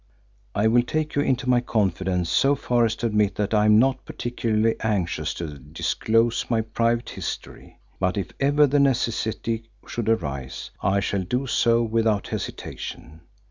I will take you into my confidence so far as to admit that I am not particularly anxious to disclose my private history, but if ever the necessity should arise I shall do so without hesitation.